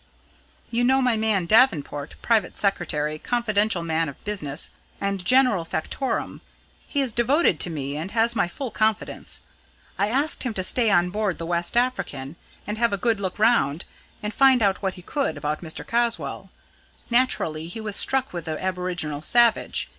You know my man Davenport private secretary, confidential man of business, and general factotum. He is devoted to me, and has my full confidence. I asked him to stay on board the West African and have a good look round, and find out what he could about Mr. Caswall. Naturally, he was struck with the aboriginal savage.